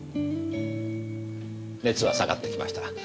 熱は下がってきました。